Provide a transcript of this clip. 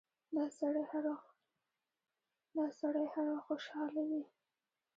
دا سړی هر وخت خوشاله وي.